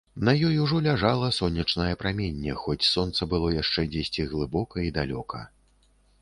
На ёй ужо ляжала сонечнае праменне, хоць сонца было яшчэ дзесьці глыбока і далёка.